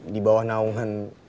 di bawah naungan